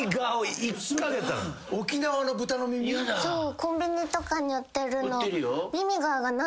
コンビニとかに売ってるの。